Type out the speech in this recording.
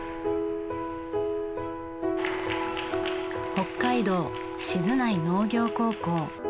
北海道静内農業高校。